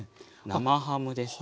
生ハムですね。